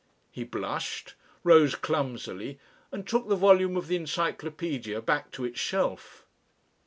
He blushed, rose clumsily and took the volume of the Encyclopaedia back to its shelf.